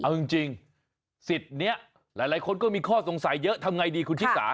เอาจริงสิทธิ์นี้หลายคนก็มีข้อสงสัยเยอะทำไงดีคุณชิสา